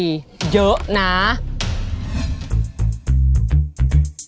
ขอบคุณมากค่ะ